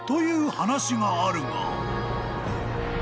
話があるが］